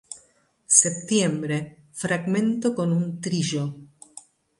Septiembre, fragmento con un trillo.